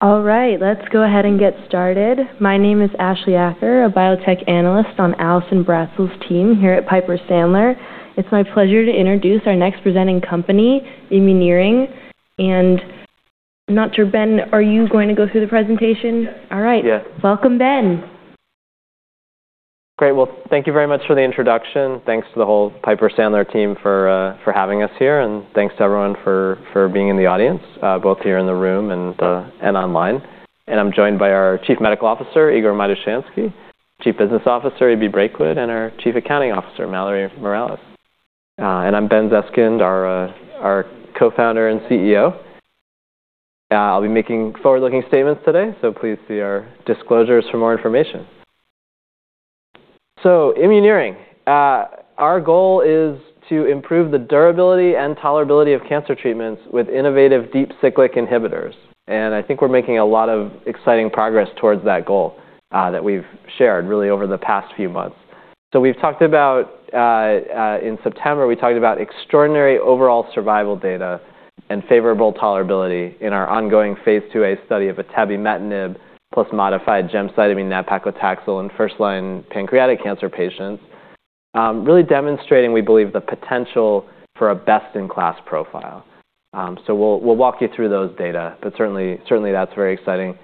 All right, let's go ahead and get started. My name is Ashleigh Acker, a Biotech Analyst on Allison Bratzel's team here at Piper Sandler. It's my pleasure to introduce our next presenting company, Immuneering, and I'm not sure, Ben, are you going to go through the presentation? Yes. All right. Yeah. Welcome, Ben. Great, well, thank you very much for the introduction. Thanks to the whole Piper Sandler team for having us here, and thanks to everyone for being in the audience, both here in the room and online, and I'm joined by our Chief Medical Officer, Igor Matushansky, Chief Business Officer, E.B. Brakewood, and our Chief Accounting Officer, Mallory Morales, and I'm Ben Zeskind, our Co-Founder and CEO. I'll be making forward-looking statements today, please see our disclosures for more information. Immuneering, our goal is to improve the durability and tolerability of cancer treatments with innovative deep cyclic inhibitors, and I think we're making a lot of exciting progress towards that goal that we've shared really over the past few months. We've talked about, in September, we talked about extraordinary overall survival data and favorable tolerability in our ongoing Phase 1a study of atebimetinib plus modified gemcitabine/nab-paclitaxel in first-line pancreatic cancer patients, really demonstrating, we believe, the potential for a best-in-class profile. We'll walk you through those data, but certainly that's very exciting.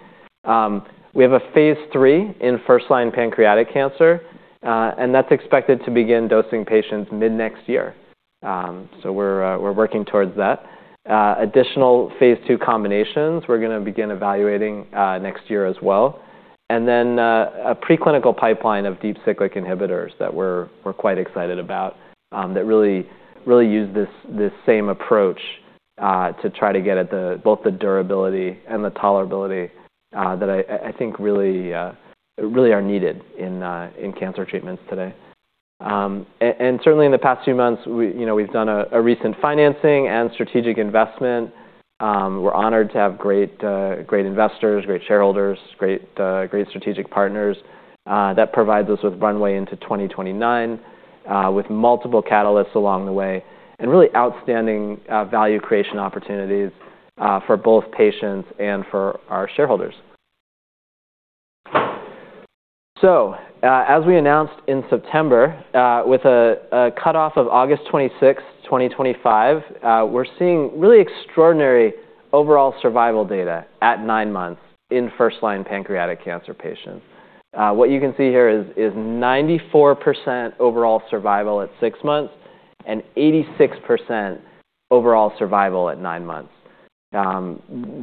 We have a Phase 3 in first-line pancreatic cancer, and that's expected to begin dosing patients mid-next year. We're working towards that. Additional Phase 2 combinations we're going to begin evaluating next year as well. And then a preclinical pipeline of deep cyclic inhibitors that we're quite excited about that really use this same approach to try to get at both the durability and the tolerability that I think really are needed in cancer treatments today. And certainly, in the past few months, we've done a recent financing and strategic investment. We're honored to have great investors, great shareholders, great strategic partners that provide us with runway into 2029 with multiple catalysts along the way and really outstanding value creation opportunities for both patients and for our shareholders. So, as we announced in September, with a cutoff of August 26, 2025, we're seeing really extraordinary overall survival data at nine months in first-line pancreatic cancer patients. What you can see here is 94% overall survival at six months and 86% overall survival at nine months.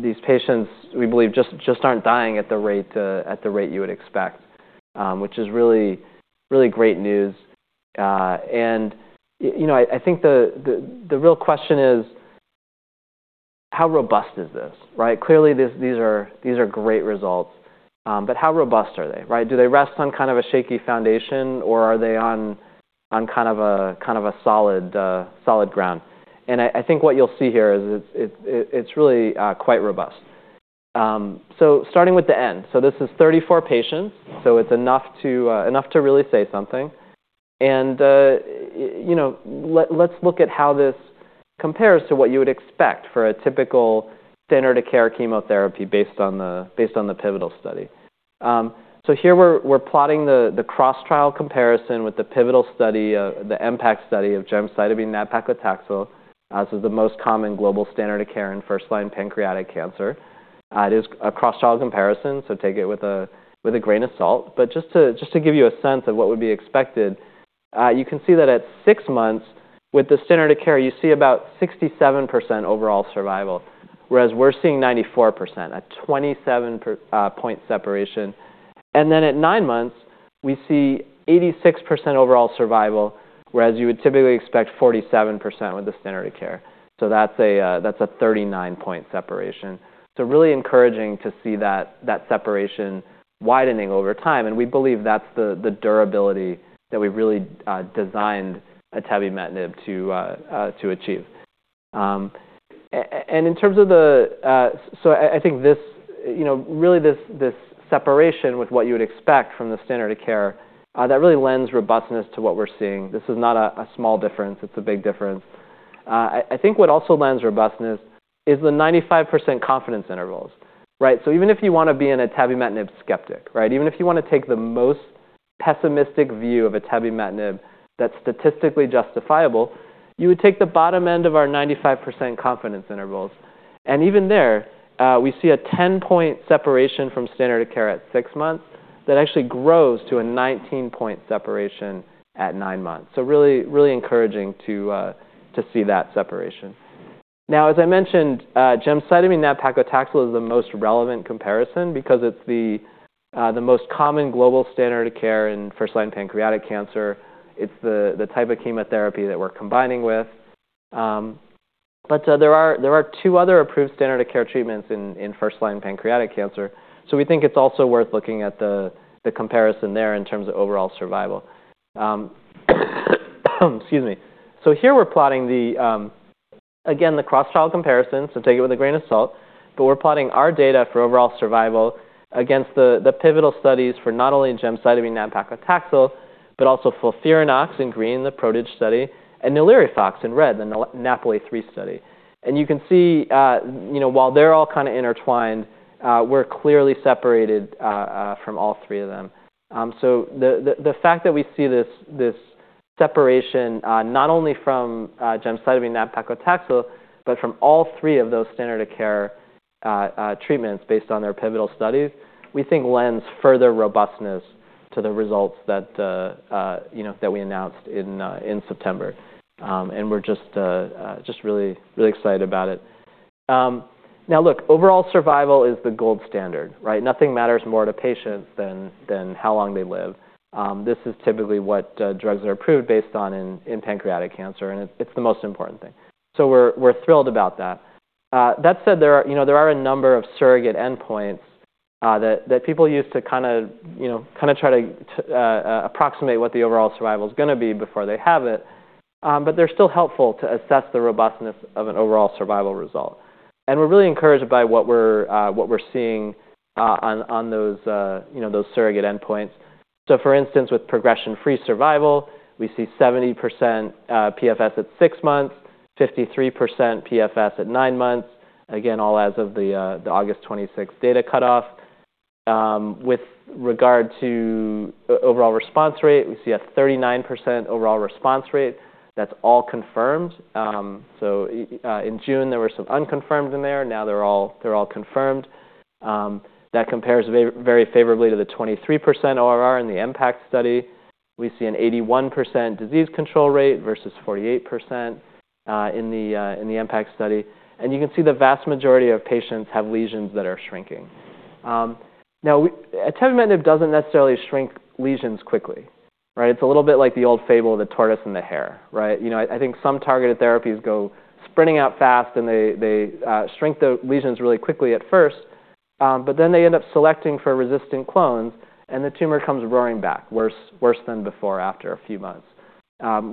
These patients, we believe, just aren't dying at the rate you would expect, which is really great news. And I think the real question is, how robust is this? Clearly, these are great results, but how robust are they? Do they rest on kind of a shaky foundation, or are they on kind of a solid ground? I think what you'll see here is it's really quite robust. So, starting with the end, so this is 34 patients. It's enough to really say something. Let's look at how this compares to what you would expect for a typical standard of care chemotherapy based on the pivotal study. Here, we're plotting the cross-trial comparison with the pivotal study, the MPACT study of gemcitabine/nab-paclitaxel as the most common global standard of care in first-line pancreatic cancer. It is a cross-trial comparison, take it with a grain of salt. But just to give you a sense of what would be expected, you can see that at six months, with the standard of care, you see about 67% overall survival, whereas we're seeing 94%, a 27-point separation. And then at nine months, we see 86% overall survival, whereas you would typically expect 47% with the standard of care. That's a 39-point separation. Really encouraging to see that separation widening over time. And we believe that's the durability that we've really designed atebimetinib to achieve. I think really this separation with what you would expect from the standard of care, that really lends robustness to what we're seeing. This is not a small difference. It's a big difference. I think what also lends robustness is the 95% confidence intervals. Even if you want to be an atebimetinib skeptic, even if you want to take the most pessimistic view of atebimetinib that's statistically justifiable, you would take the bottom end of our 95% confidence intervals. Even there, we see a 10-point separation from standard of care at six months that actually grows to a 19-point separation at nine months. Really encouraging to see that separation. Now, as I mentioned, gemcitabine/nab-paclitaxel is the most relevant comparison because it is the most common global standard of care in first-line pancreatic cancer. It is the type of chemotherapy that we are combining with. There are two other approved standard of care treatments in first-line pancreatic cancer. We think it is also worth looking at the comparison there in terms of overall survival. Excuse me. Here, we are plotting, again, the cross-trial comparison, take it with a grain of salt. We are plotting our data for overall survival against the pivotal studies for not only gemcitabine/nab-paclitaxel, but also FOLFIRINOX in green, the PRODIGE study, and NALIRIFOX in red, the NAPOLI-3 study. You can see, while they're all kind of intertwined, we're clearly separated from all three of them. The fact that we see this separation not only from gemcitabine/nab-paclitaxel, but from all three of those standard of care treatments based on their pivotal studies, we think lends further robustness to the results that we announced in September. And we're just really excited about it. Now, look, overall survival is the gold standard. Nothing matters more to patients than how long they live. This is typically what drugs are approved based on in pancreatic cancer, and it's the most important thing. We're thrilled about that. That said, there are a number of surrogate endpoints that people use to kind of try to approximate what the overall survival is going to be before they have it. But they're still helpful to assess the robustness of an overall survival result. We're really encouraged by what we're seeing on those surrogate endpoints. So, for instance, with progression-free survival, we see 70% PFS at six months, 53% PFS at nine months, again, all as of the August 26 data cutoff. With regard to overall response rate, we see a 39% overall response rate. That's all confirmed. In June, there were some unconfirmed in there. Now, they're all confirmed. That compares very favorably to the 23% ORR in the MPACT study. We see an 81% disease control rate versus 48% in the MPACT study. And you can see the vast majority of patients have lesions that are shrinking. Now, atebimetinib doesn't necessarily shrink lesions quickly. It's a little bit like the old fable, the tortoise and the hare. I think some targeted therapies go sprinting out fast, and they shrink the lesions really quickly at first, but then they end up selecting for resistant clones, and the tumor comes roaring back, worse than before after a few months.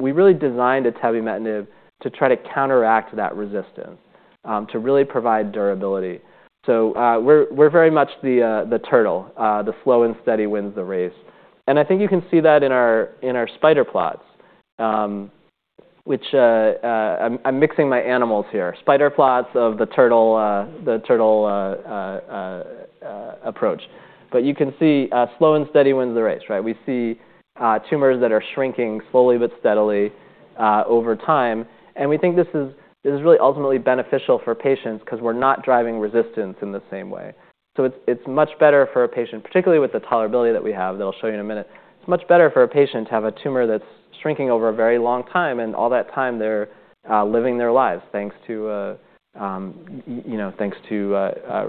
We really designed atebimetinib to try to counteract that resistance, to really provide durability, we're very much the turtle. The slow and steady wins the race, and I think you can see that in our spider plots, which I'm mixing my animals here, spider plots of the turtle approach, but you can see slow and steady wins the race. We see tumors that are shrinking slowly but steadily over time, and we think this is really ultimately beneficial for patients because we're not driving resistance in the same way. It's much better for a patient, particularly with the tolerability that we have that I'll show you in a minute. It's much better for a patient to have a tumor that's shrinking over a very long time, and all that time, they're living their lives thanks to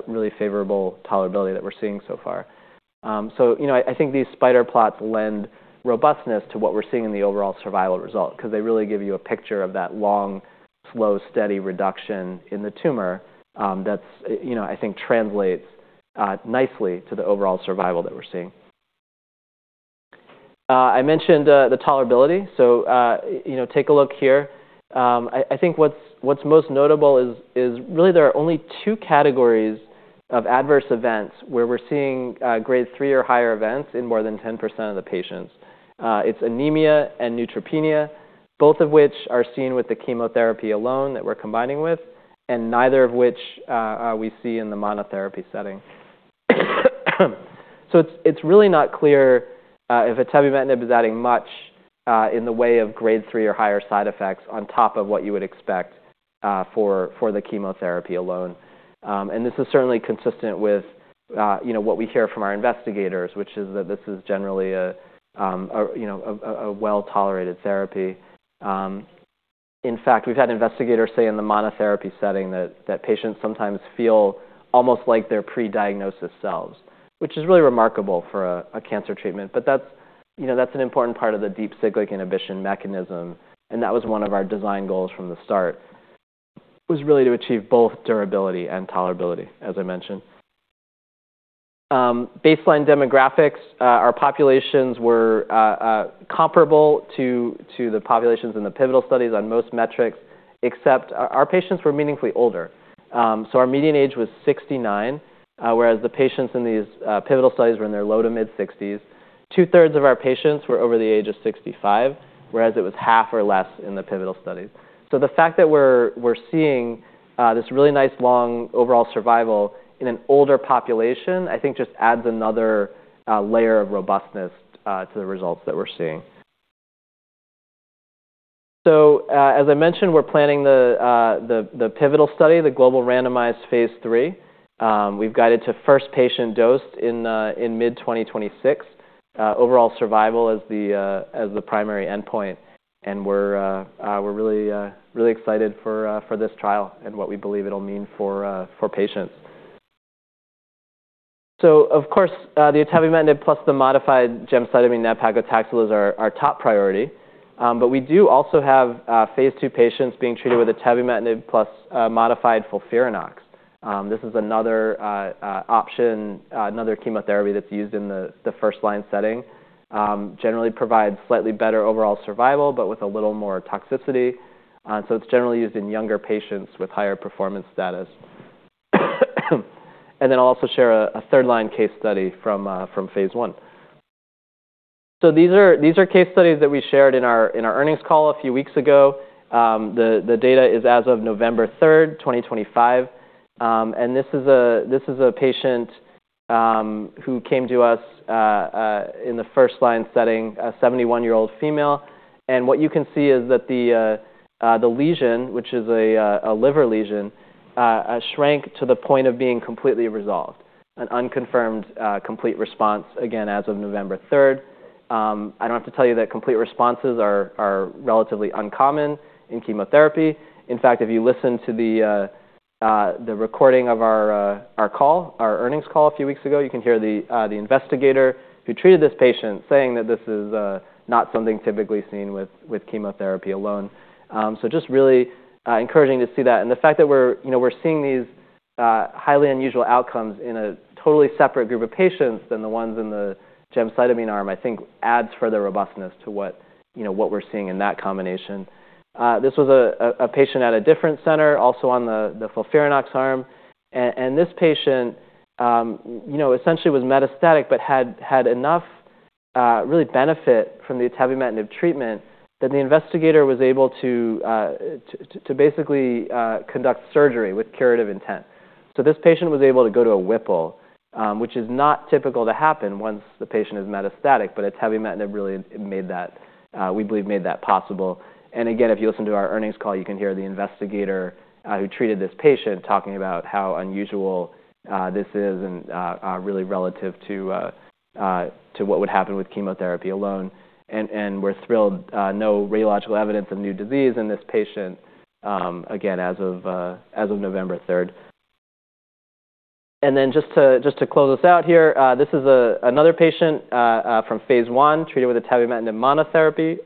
really favorable tolerability that we're seeing so far. I think these spider plots lend robustness to what we're seeing in the overall survival result because they really give you a picture of that long, slow, steady reduction in the tumor that's, I think, translates nicely to the overall survival that we're seeing. I mentioned the tolerability. Take a look here. I think what's most notable is really there are only two categories of adverse events where we're seeing Grade 3 or higher events in more than 10% of the patients. It's anemia and neutropenia, both of which are seen with the chemotherapy alone that we're combining with, and neither of which we see in the monotherapy setting, it's really not clear if atebimetinib is adding much in the way of Grade 3 or higher side effects on top of what you would expect for the chemotherapy alone, and this is certainly consistent with what we hear from our investigators, which is that this is generally a well-tolerated therapy. In fact, we've had investigators say in the monotherapy setting that patients sometimes feel almost like they're pre-diagnosis selves, which is really remarkable for a cancer treatment, but that's an important part of the deep cyclic inhibition mechanism, and that was one of our design goals from the start, was really to achieve both durability and tolerability, as I mentioned. Baseline demographics, our populations were comparable to the populations in the pivotal studies on most metrics, except our patients were meaningfully older. So our median age was 69, whereas the patients in these pivotal studies were in their low to mid-60s. Two-thirds of our patients were over the age of 65, whereas it was half or less in the pivotal studies. The fact that we're seeing this really nice long overall survival in an older population, I think just adds another layer of robustness to the results that we're seeing. So, as I mentioned, we're planning the pivotal study, the global randomized Phase 3. We've guided to first patient dosed in mid-2026. Overall survival is the primary endpoint. And we're really excited for this trial and what we believe it'll mean for patients. So, of course, the atebimetinib plus the modified gemcitabine/nab-paclitaxel is our top priority. But we do also have Phase 2 patients being treated with atebimetinib plus modified FOLFIRINOX. This is another option, another chemotherapy that's used in the first-line setting. Generally provides slightly better overall survival, but with a little more toxicity. It's generally used in younger patients with higher performance status. And then I'll also share a third-line case study from Phase 1. These are case studies that we shared in our earnings call a few weeks ago. The data is as of November 3rd, 2025. And this is a patient who came to us in the first-line setting, a 71-year-old female. And what you can see is that the lesion, which is a liver lesion, shrank to the point of being completely resolved, an unconfirmed complete response, again, as of November 3rd. I don't have to tell you that complete responses are relatively uncommon in chemotherapy. In fact, if you listen to the recording of our earnings call a few weeks ago, you can hear the investigator who treated this patient saying that this is not something typically seen with chemotherapy alone just really encouraging to see that. And the fact that we're seeing these highly unusual outcomes in a totally separate group of patients than the ones in the gemcitabine arm, I think adds further robustness to what we're seeing in that combination. This was a patient at a different center, also on the FOLFIRINOX arm. And this patient essentially was metastatic but had enough really benefit from the atebimetinib treatment that the investigator was able to basically conduct surgery with curative intent. This patient was able to go to a Whipple, which is not typical to happen once the patient is metastatic, but atebimetinib really made that, we believe, made that possible. And again, if you listen to our earnings call, you can hear the investigator who treated this patient talking about how unusual this is and really relative to what would happen with chemotherapy alone. And we're thrilled. No radiological evidence of new disease in this patient, again, as of November 3rd. And then just to close us out here, this is another patient from Phase 1 treated with atebimetinib monotherapy.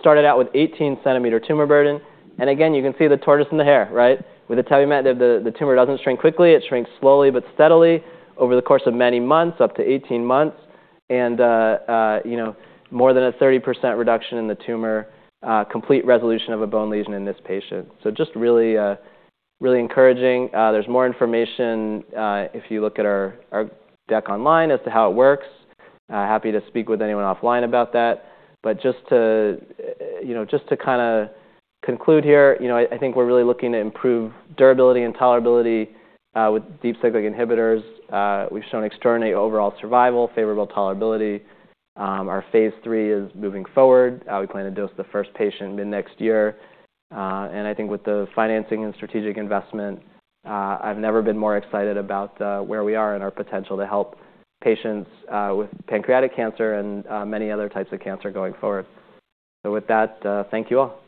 Started out with 18cm tumor burden. And again, you can see the tortoise and the hare. With atebimetinib, the tumor doesn't shrink quickly. It shrinks slowly but steadily over the course of many months, up to 18 months, and more than a 30% reduction in the tumor, complete resolution of a bone lesion in this patient. Just really encouraging. There's more information if you look at our deck online as to how it works. Happy to speak with anyone offline about that, but just to kind of conclude here, I think we're really looking to improve durability and tolerability with deep cyclic inhibitors. We've shown extraordinary overall survival, favorable tolerability. Our Phase 3 is moving forward. We plan to dose the first patient mid-next year, and I think with the financing and strategic investment, I've never been more excited about where we are and our potential to help patients with pancreatic cancer and many other types of cancer going forward with that, thank you all.